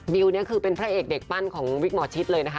บิวเนี่ยคือพระเอกเด็กปั้นของวิกหมอจิตเลยนะคะ